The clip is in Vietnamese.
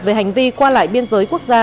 về hành vi qua lại biên giới quốc gia